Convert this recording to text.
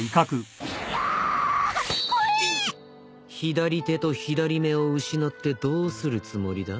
左手と左目を失ってどうするつもりだ？